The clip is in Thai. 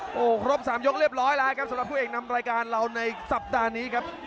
โอ้โหครบ๓ยกเรียบร้อยแล้วครับสำหรับผู้เอกนำรายการเราในสัปดาห์นี้ครับ